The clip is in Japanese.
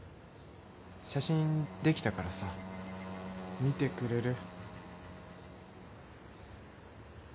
写真できたからさ見てくれる？